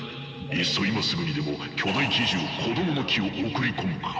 いっそ今すぐにでも巨大奇獣「こどもの樹」を送り込むか。